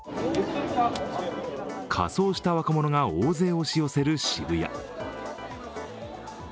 仮装した若者が大勢押し寄せる渋谷。